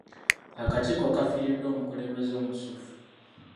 Akakiiko kafiiriddwa omukulembeze omusuffu.